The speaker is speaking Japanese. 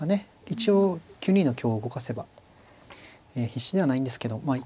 一応９二の香を動かせば必至ではないんですけどまあ